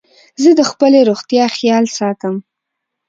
زه د خپلي روغتیا خیال ساتم.